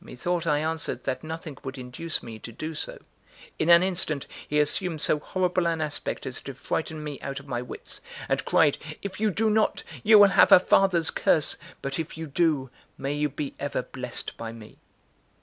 Methought I answered that nothing would induce me to do so. In an instant he assumed so horrible an aspect as to frighten me out of my wits, and cried: "If you do not, you will have a father's curse; but if you do, may you be ever blessed by me!"